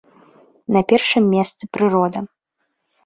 На першым месцы прырода.